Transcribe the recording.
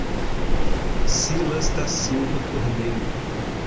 Cilas da Silva Cordeiro